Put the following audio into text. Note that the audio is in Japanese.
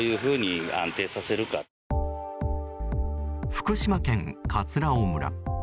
福島県葛尾村。